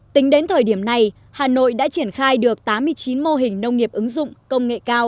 tính đến thời điểm này hà nội đã triển khai được tám mươi chín mô hình nông nghiệp ứng dụng công nghệ cao